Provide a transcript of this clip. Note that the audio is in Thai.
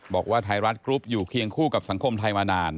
บอกว่าไทยรัฐกรุ๊ปอยู่เคียงคู่กับสังคมไทยมานาน